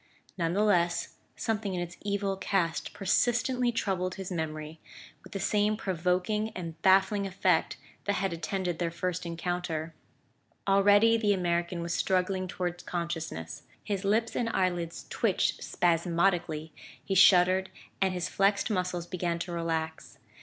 None the less, something in its evil cast persistently troubled his memory, with the same provoking and baffling effect that had attended their first encounter. Already the American was struggling toward consciousness. His lips and eyelids twitched spasmodically, he shuddered, and his flexed muscles began to relax.